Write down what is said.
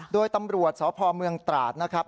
โดยตำรวจสพเมืองตราดนะครับ